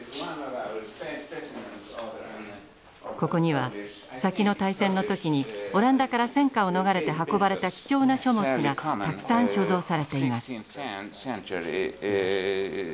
ここには先の大戦の時にオランダから戦火を逃れて運ばれた貴重な書物がたくさん所蔵されています。